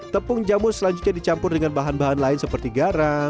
tepung jamu selanjutnya dicampur dengan bahan bahan lain seperti garam